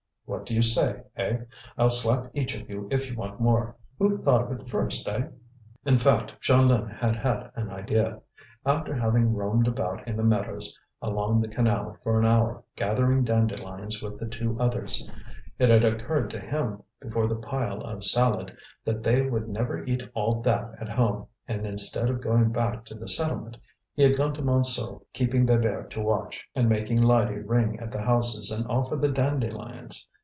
"What do you say? Eh? I'll slap each of you if you want more. Who thought of it first, eh?" In fact, Jeanlin had had an idea. After having roamed about in the meadows, along the canal, for an hour, gathering dandelions with the two others, it had occurred to him, before this pile of salad, that they would never eat all that at home; and instead of going back to the settlement he had gone to Montsou, keeping Bébert to watch, and making Lydie ring at the houses and offer the dandelions.